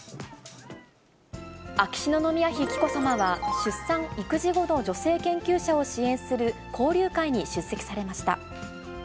秋篠宮妃紀子さまは、出産・育児後の女性研究者を支援する交流会に出席されました。